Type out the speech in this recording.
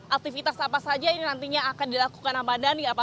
aktivitas apa saja ini nantinya akan dilakukan ahmad dhani apa